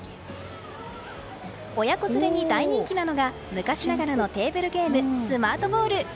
親子連れに大人気なのが昔ながらのテーブルゲームスマートボール。